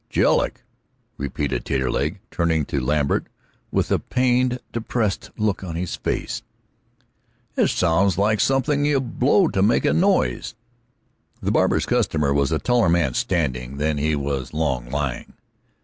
"Jedlick!" repeated Taterleg, turning to Lambert with a pained, depressed look on his face. "It sounds like something you blow in to make a noise." The barber's customer was a taller man standing than he was long lying.